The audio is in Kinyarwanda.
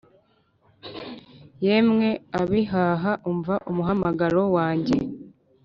yemwe ibihaha, umva umuhamagaro wanjye!